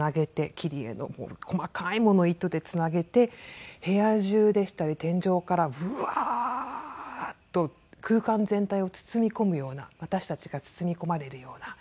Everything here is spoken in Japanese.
切り絵の細かいものを糸でつなげて部屋中でしたり天井からブワーッと空間全体を包み込むような私たちが包み込まれるような。